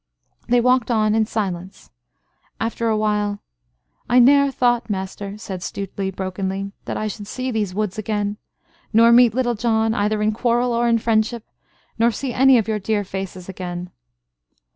They walked on in silence. After a while, "I ne'er thought, master," said Stuteley, brokenly, "that I should see these woods again nor meet Little John, either in quarrel or in friendship, nor see any of your dear faces again."